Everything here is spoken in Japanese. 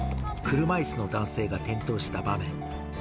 車いすの男性が転倒した場面。